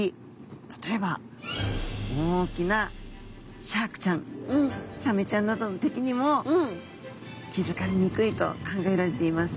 例えば大きなシャークちゃんサメちゃんなどの敵にも気付かれにくいと考えられています。